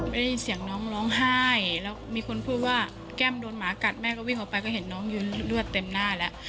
ได้ยินเสียงน้องร้องไห้แล้วมีคนพูดว่าแก้มโดนหมากัดแม่ก็วิ่งออกไปก็เห็นน้องยืนเลือดเต็มหน้าแล้ว